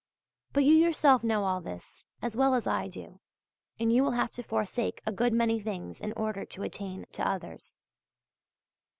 But you yourself know all this as well as I do, and you will have to forsake a good many things in order to attain to others.